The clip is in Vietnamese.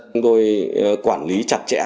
chúng tôi quản lý chặt chẽ